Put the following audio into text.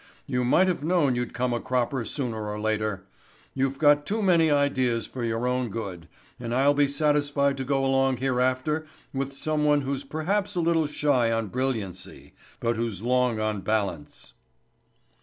You might have known you'd come a cropper sooner or later. You've got too many ideas for your own good and I'll be satisfied to go along hereafter with someone who's perhaps a little shy on brilliancy, but who's long on balance."